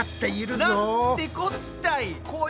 なんてこったい！